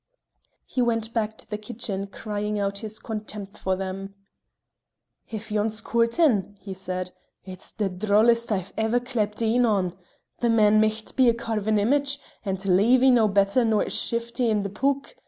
He went back to the kitchen crying out his contempt for them. "If yon's coortin'," he said, "it's the drollest I ever clapt een on! The man micht be a carven image, and Leevie no better nor a shifty in the pook.